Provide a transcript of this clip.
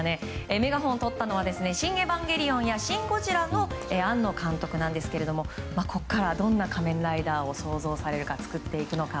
メガホンをとったのは「シン・エヴァンゲリオン」や「シン・ゴジラ」の庵野監督なんですがここからは、どんな「仮面ライダー」を想像されるか作っていくのか。